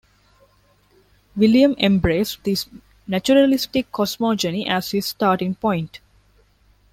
William embraced this "naturalistic cosmogeny" as his starting point.